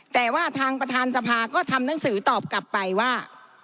แต่ว่าทางประธานสภาก็ทำหนังสือตอบกลับไปว่า